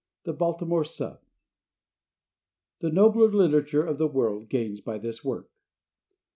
The Baltimore Sun. "The Nobler Literature of the World Gains By This Work."